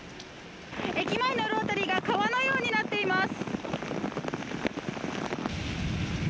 駅前のロータリーが川のようになっています。